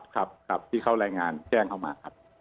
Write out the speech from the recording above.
ครับที่เขาแรงงานแจ้งเข้ามาครับ